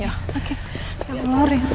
ya allah rena